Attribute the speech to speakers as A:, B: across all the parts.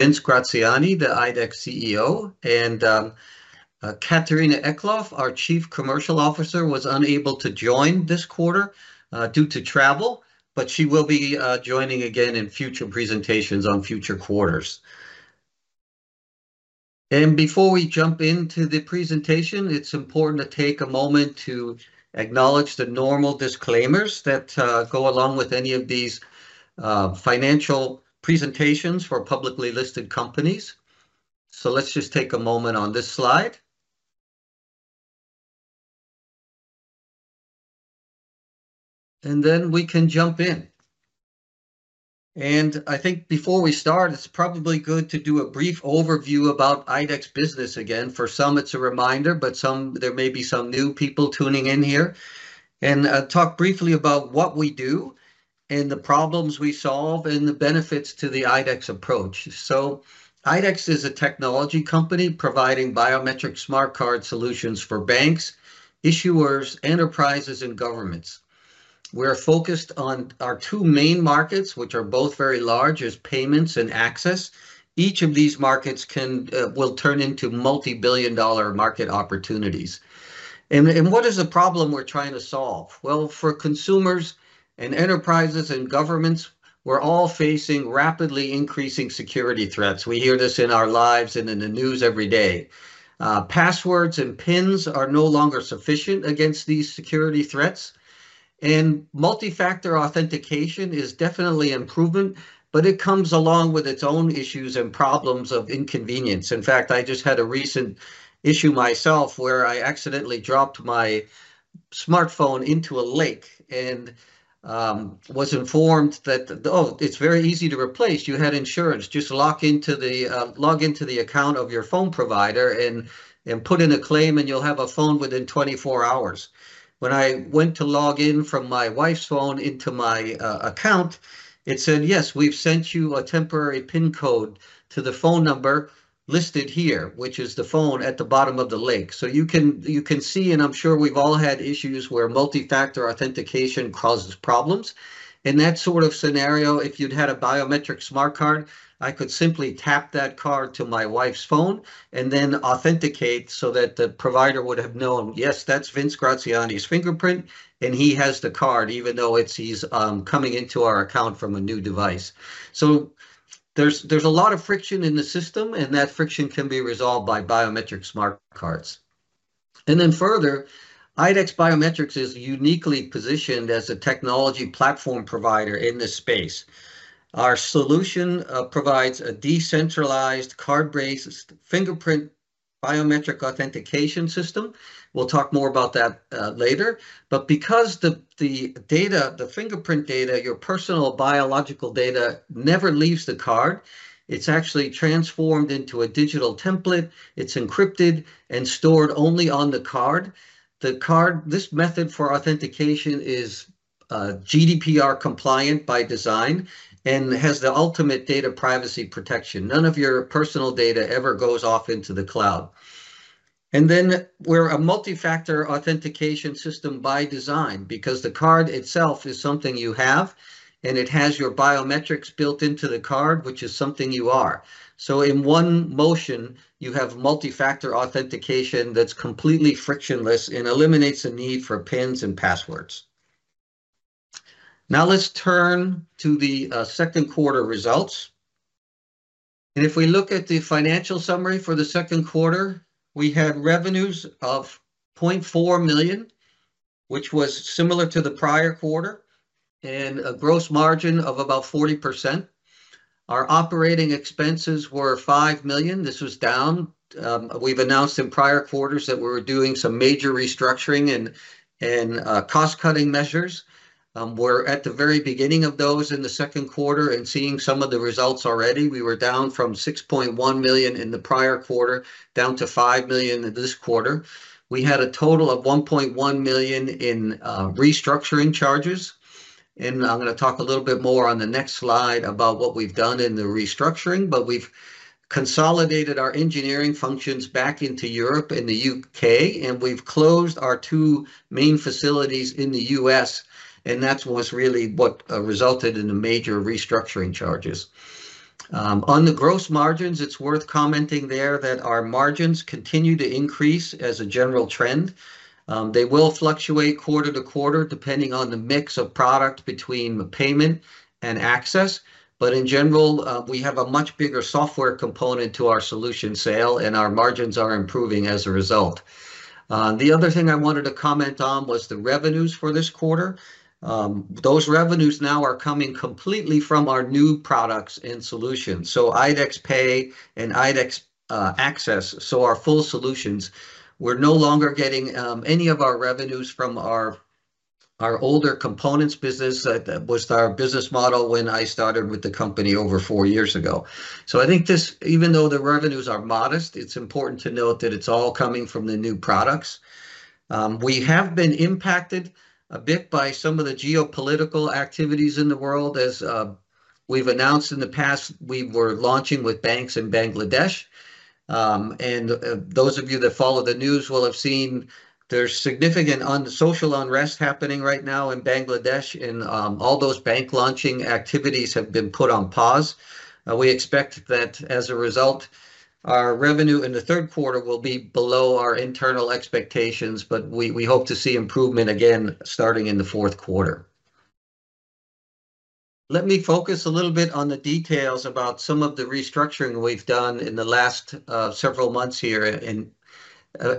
A: Vince Graziani, the IDEX CEO, and Catharina Eklof, our Chief Commercial Officer, was unable to join this quarter due to travel, but she will be joining again in future presentations on future quarters. Before we jump into the presentation, it's important to take a moment to acknowledge the normal disclaimers that go along with any of these financial presentations for publicly listed companies. So let's just take a moment on this slide, and then we can jump in. And I think before we start, it's probably good to do a brief overview about IDEX business again. For some, it's a reminder, but some, there may be some new people tuning in here. And talk briefly about what we do and the problems we solve and the benefits to the IDEX approach. So IDEX is a technology company providing biometric smart card solutions for banks, issuers, enterprises, and governments. We're focused on our two main markets, which are both very large, is payments and access. Each of these markets can, will turn into multi-billion dollar market opportunities. And what is the problem we're trying to solve? Well, for consumers and enterprises and governments, we're all facing rapidly increasing security threats. We hear this in our lives and in the news every day. Passwords and PINs are no longer sufficient against these security threats, and multi-factor authentication is definitely improvement, but it comes along with its own issues and problems of inconvenience. In fact, I just had a recent issue myself where I accidentally dropped my smartphone into a lake and was informed that, "Oh, it's very easy to replace, you had insurance. Just log in to the—log in to the account of your phone provider and put in a claim, and you'll have a phone within 24 hours." When I went to log in from my wife's phone into my account, it said, "Yes, we've sent you a temporary PIN code to the phone number listed here," which is the phone at the bottom of the lake. So you can see, and I'm sure we've all had issues where multi-factor authentication causes problems. In that sort of scenario, if you'd had a biometric smart card, I could simply tap that card to my wife's phone and then authenticate so that the provider would have known, yes, that's Vince Graziani's fingerprint, and he has the card, even though he's coming into our account from a new device. So there's a lot of friction in the system, and that friction can be resolved by biometric smart cards. And then further, IDEX Biometrics is uniquely positioned as a technology platform provider in this space. Our solution provides a decentralized, card-based, fingerprint biometric authentication system. We'll talk more about that later. But because the data, the fingerprint data, your personal biological data never leaves the card, it's actually transformed into a digital template. It's encrypted and stored only on the card. The card, this method for authentication is GDPR compliant by design and has the ultimate data privacy protection. None of your personal data ever goes off into the cloud. And then we're a multi-factor authentication system by design, because the card itself is something you have, and it has your biometrics built into the card, which is something you are. So in one motion, you have multi-factor authentication that's completely frictionless and eliminates the need for PINs and passwords. Now, let's turn to the second quarter results. If we look at the financial summary for the second quarter, we had revenues of $0.4 million, which was similar to the prior quarter, and a gross margin of about 40%. Our operating expenses were $5 million. This was down. We've announced in prior quarters that we were doing some major restructuring and cost-cutting measures. We're at the very beginning of those in the second quarter and seeing some of the results already. We were down from $6.1 million in the prior quarter, down to $5 million in this quarter. We had a total of $1.1 million in restructuring charges, and I'm gonna talk a little bit more on the next slide about what we've done in the restructuring. But we've consolidated our engineering functions back into Europe and the U.K., and we've closed our two main facilities in the U.S., and that's what's really resulted in the major restructuring charges. On the gross margins, it's worth commenting there that our margins continue to increase as a general trend. They will fluctuate quarter to quarter, depending on the mix of product between payment and access. But in general, we have a much bigger software component to our solution sale, and our margins are improving as a result. The other thing I wanted to comment on was the revenues for this quarter. Those revenues now are coming completely from our new products and solutions, so IDEX Pay and IDEX Access, so our full solutions. We're no longer getting any of our revenues from our older components business. That was our business model when I started with the company over four years ago. So I think this, even though the revenues are modest, it's important to note that it's all coming from the new products. We have been impacted a bit by some of the geopolitical activities in the world. As we've announced in the past, we were launching with banks in Bangladesh. And those of you that follow the news will have seen there's significant social unrest happening right now in Bangladesh, and all those bank launching activities have been put on pause. We expect that as a result, our revenue in the third quarter will be below our internal expectations, but we, we hope to see improvement again starting in the fourth quarter. Let me focus a little bit on the details about some of the restructuring we've done in the last several months here.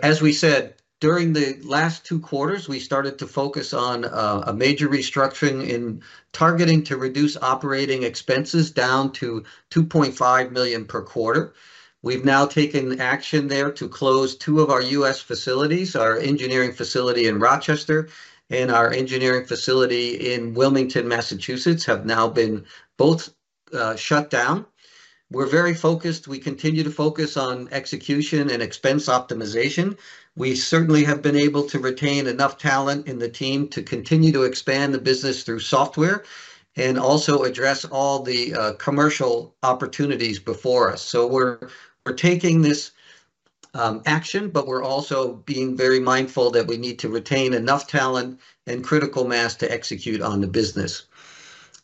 A: As we said, during the last two quarters, we started to focus on a major restructuring in targeting to reduce operating expenses down to $2.5 million per quarter. We've now taken action there to close two of our U.S. facilities. Our engineering facility in Rochester and our engineering facility in Wilmington, Massachusetts, have now been both shut down. We're very focused. We continue to focus on execution and expense optimization. We certainly have been able to retain enough talent in the team to continue to expand the business through software, and also address all the commercial opportunities before us. So we're, we're taking this action, but we're also being very mindful that we need to retain enough talent and critical mass to execute on the business.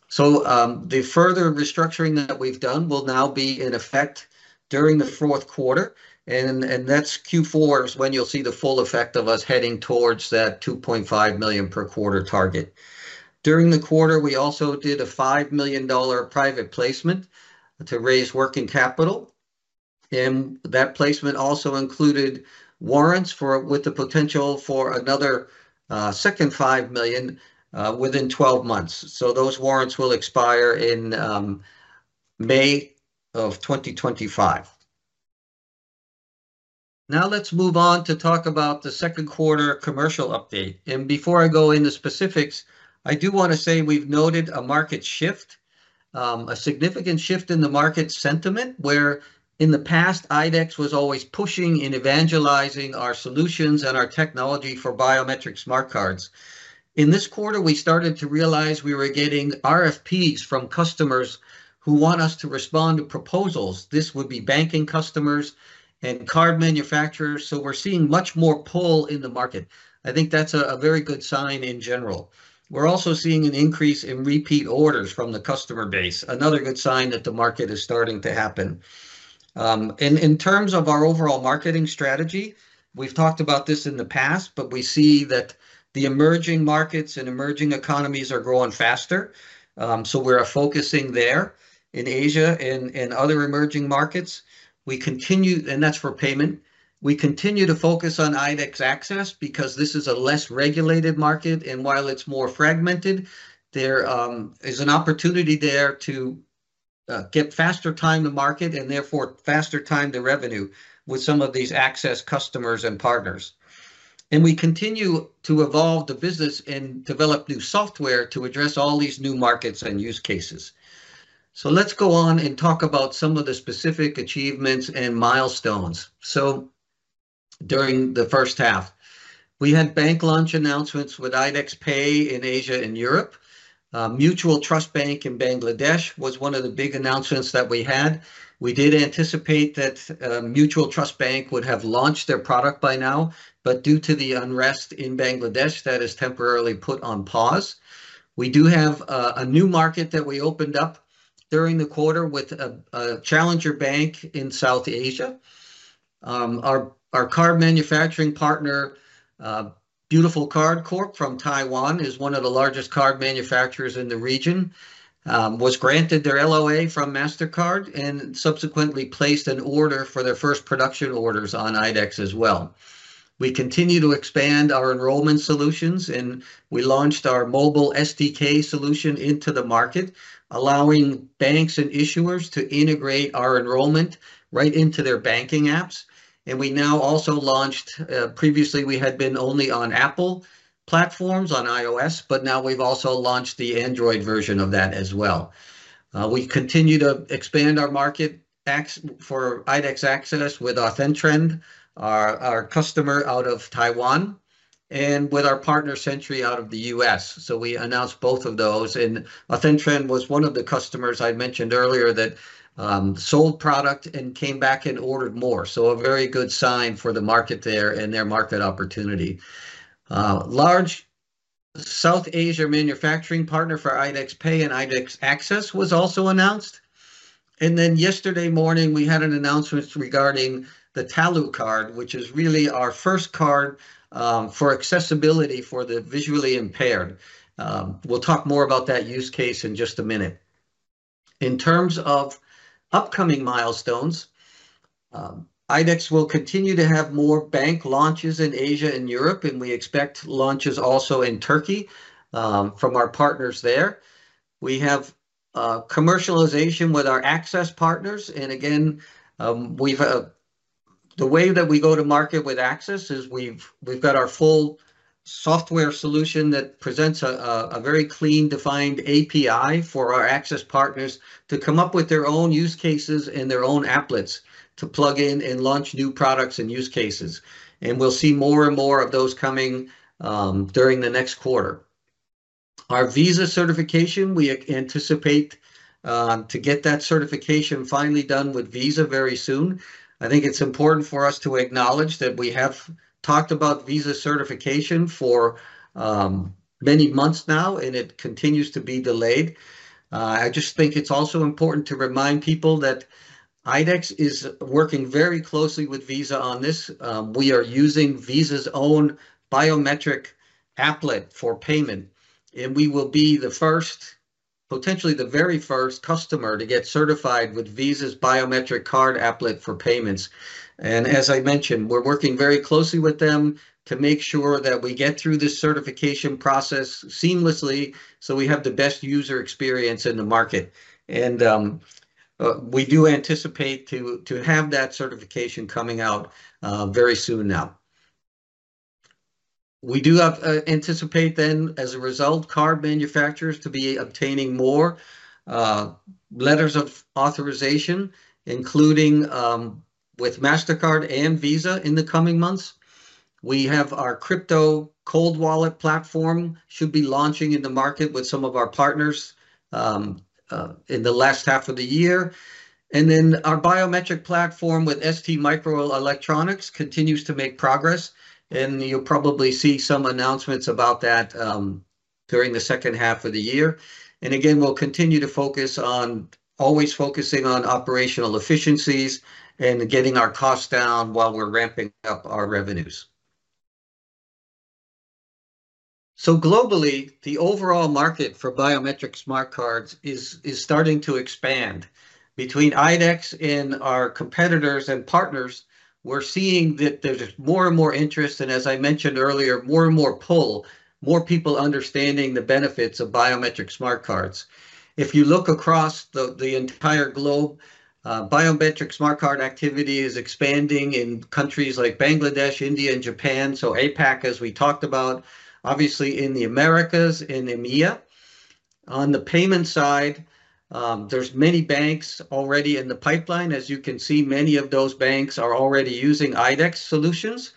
A: So the further restructuring that we've done will now be in effect during the fourth quarter, and, and that's Q4 is when you'll see the full effect of us heading towards that $2.5 million per quarter target. During the quarter, we also did a $5 million private placement to raise working capital, and that placement also included warrants for, with the potential for another second $5 million within 12 months. So those warrants will expire in May 2025. Now let's move on to talk about the second quarter commercial update. Before I go into specifics, I do want to say we've noted a market shift, a significant shift in the market sentiment, where in the past, IDEX was always pushing and evangelizing our solutions and our technology for biometric smart cards. In this quarter, we started to realize we were getting RFPs from customers who want us to respond to proposals. This would be banking customers and card manufacturers, so we're seeing much more pull in the market. I think that's a very good sign in general. We're also seeing an increase in repeat orders from the customer base, another good sign that the market is starting to happen. And in terms of our overall marketing strategy, we've talked about this in the past, but we see that the emerging markets and emerging economies are growing faster. So we're focusing there in Asia and other emerging markets. And that's for payment. We continue to focus on IDEX Access, because this is a less regulated market, and while it's more fragmented, there is an opportunity there to get faster time to market, and therefore faster time to revenue with some of these access customers and partners. And we continue to evolve the business and develop new software to address all these new markets and use cases. So let's go on and talk about some of the specific achievements and milestones. So during the first half, we had bank launch announcements with IDEX Pay in Asia and Europe. Mutual Trust Bank in Bangladesh was one of the big announcements that we had. We did anticipate that, Mutual Trust Bank would have launched their product by now, but due to the unrest in Bangladesh, that is temporarily put on pause. We do have, a new market that we opened up during the quarter with a challenger bank in South Asia. Our card manufacturing partner, Beautiful Card Corporation from Taiwan, is one of the largest card manufacturers in the region, was granted their LOA from Mastercard and subsequently placed an order for their first production orders on IDEX as well. We continue to expand our enrollment solutions, and we launched our mobile SDK solution into the market, allowing banks and issuers to integrate our enrollment right into their banking apps. We now also launched—previously we had been only on Apple platforms, on iOS, but now we've also launched the Android version of that as well. We continue to expand our market access for IDEX Access with AuthenTrend, our customer out of Taiwan, and with our partner, Sentry, out of the U.S. So we announced both of those. AuthenTrend was one of the customers I mentioned earlier that sold product and came back and ordered more, so a very good sign for the market there and their market opportunity. Large South Asia manufacturing partner for IDEX Pay and IDEX Access was also announced. Then yesterday morning, we had an announcement regarding the TaluCard, which is really our first card for accessibility for the visually impaired. We'll talk more about that use case in just a minute. In terms of upcoming milestones, IDEX will continue to have more bank launches in Asia and Europe, and we expect launches also in Turkey, from our partners there. We have commercialization with our access partners, and again, the way that we go to market with access is we've got our full software solution that presents a very clean, defined API for our access partners to come up with their own use cases and their own applets to plug in and launch new products and use cases. And we'll see more and more of those coming during the next quarter. Our Visa certification, we anticipate to get that certification finally done with Visa very soon. I think it's important for us to acknowledge that we have talked about Visa certification for many months now, and it continues to be delayed. I just think it's also important to remind people that IDEX is working very closely with Visa on this. We are using Visa's own biometric applet for payment, and we will be the first, potentially the very first customer to get certified with Visa's biometric card applet for payments. And as I mentioned, we're working very closely with them to make sure that we get through this certification process seamlessly so we have the best user experience in the market. We do anticipate to have that certification coming out very soon now. We do anticipate then, as a result, card manufacturers to be obtaining more letters of authorization, including with Mastercard and Visa in the coming months. We have our crypto cold wallet platform, should be launching in the market with some of our partners in the last half of the year. And then our biometric platform with STMicroelectronics continues to make progress, and you'll probably see some announcements about that during the second half of the year. And again, we'll continue to focus on always focusing on operational efficiencies and getting our costs down while we're ramping up our revenues. So globally, the overall market for biometric smart cards is starting to expand. Between IDEX and our competitors and partners, we're seeing that there's more and more interest, and as I mentioned earlier, more and more pull, more people understanding the benefits of biometric smart cards. If you look across the entire globe, biometric smart card activity is expanding in countries like Bangladesh, India and Japan, so APAC, as we talked about, obviously in the Americas, in EMEA. On the payment side, there's many banks already in the pipeline. As you can see, many of those banks are already using IDEX solutions.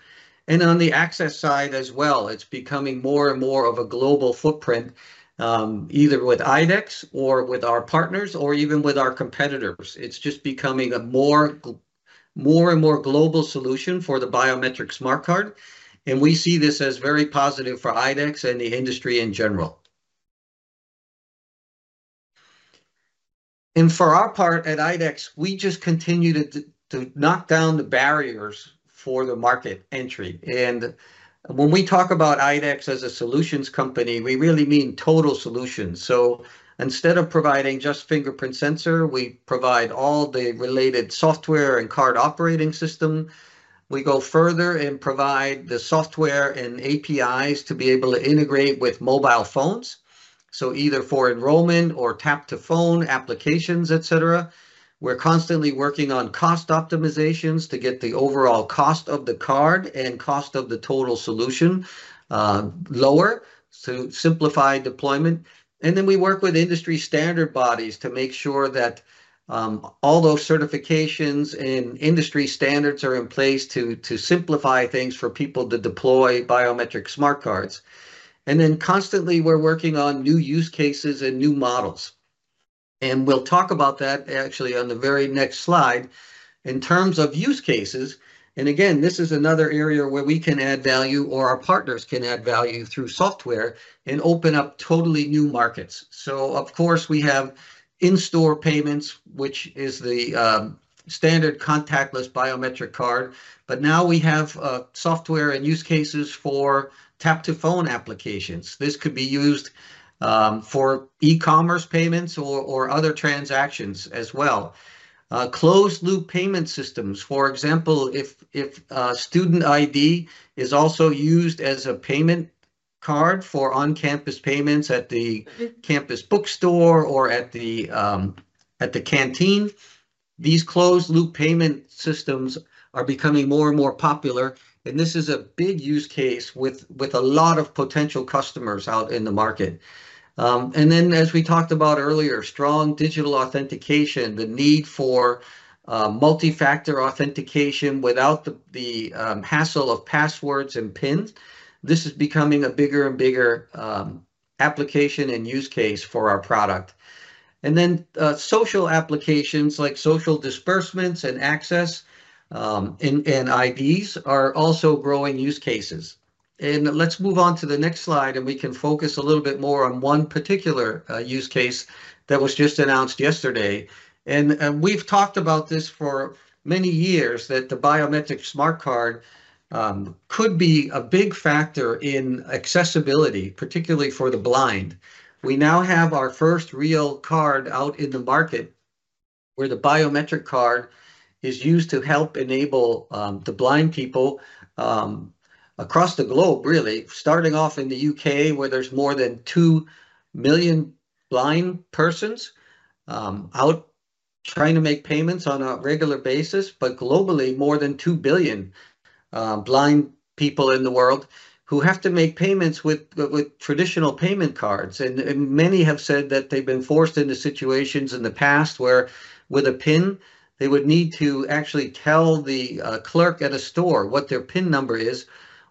A: And on the access side as well, it's becoming more and more of a global footprint, either with IDEX or with our partners or even with our competitors. It's just becoming a more and more global solution for the biometric smart card, and we see this as very positive for IDEX and the industry in general. For our part at IDEX, we just continue to knock down the barriers for the market entry. When we talk about IDEX as a solutions company, we really mean total solutions. Instead of providing just fingerprint sensor, we provide all the related software and card operating system. We go further and provide the software and APIs to be able to integrate with mobile phones, so either for enrollment or tap-to-phone applications, et cetera. We're constantly working on cost optimizations to get the overall cost of the card and cost of the total solution lower, so simplify deployment. Then we work with industry standard bodies to make sure that all those certifications and industry standards are in place to simplify things for people to deploy biometric smart cards. Then constantly we're working on new use cases and new models, and we'll talk about that actually on the very next slide. In terms of use cases, and again, this is another area where we can add value or our partners can add value through software and open up totally new markets. Of course, we have in-store payments, which is the standard contactless biometric card, but now we have software and use cases for tap-to-phone applications. This could be used for e-commerce payments or other transactions as well. Closed-loop payment systems, for example, if a student ID is also used as a payment card for on-campus payments at the campus bookstore or at the canteen, these closed-loop payment systems are becoming more and more popular, and this is a big use case with a lot of potential customers out in the market. And then, as we talked about earlier, strong digital authentication, the need for multi-factor authentication without the hassle of passwords and PINs, this is becoming a bigger and bigger application and use case for our product. And then, social applications, like social disbursements and access, and IDs are also growing use cases. And let's move on to the next slide, and we can focus a little bit more on one particular use case that was just announced yesterday. We've talked about this for many years, that the biometric smart card could be a big factor in accessibility, particularly for the blind. We now have our first real card out in the market, where the biometric card is used to help enable the blind people across the globe, really. Starting off in the U.K., where there's more than 2 million blind persons out trying to make payments on a regular basis, but globally, more than 2 billion blind people in the world who have to make payments with traditional payment cards. Many have said that they've been forced into situations in the past where, with a PIN, they would need to actually tell the clerk at a store what their PIN number is,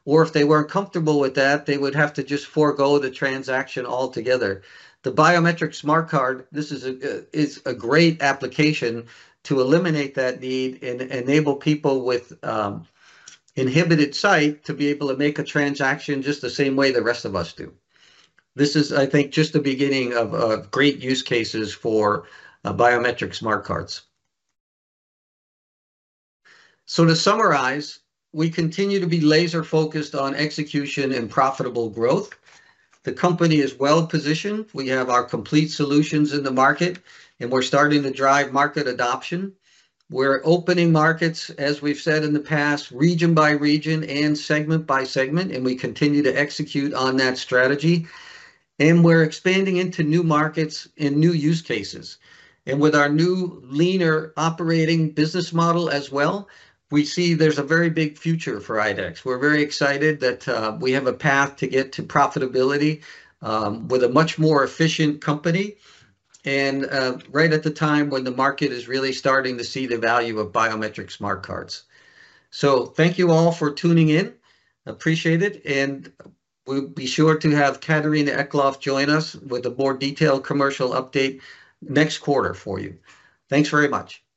A: or if they weren't comfortable with that, they would have to just forgo the transaction altogether. The biometric smart card is a great application to eliminate that need and enable people with inhibited sight to be able to make a transaction just the same way the rest of us do. This is, I think, just the beginning of great use cases for biometric smart cards. So to summarize, we continue to be laser focused on execution and profitable growth. The company is well positioned. We have our complete solutions in the market, and we're starting to drive market adoption. We're opening markets, as we've said in the past, region by region and segment by segment, and we continue to execute on that strategy. We're expanding into new markets and new use cases. With our new leaner operating business model as well, we see there's a very big future for IDEX. We're very excited that we have a path to get to profitability with a much more efficient company and right at the time when the market is really starting to see the value of biometric smart cards. So thank you all for tuning in. Appreciate it, and we'll be sure to have Catharina Eklof join us with a more detailed commercial update next quarter for you. Thanks very much.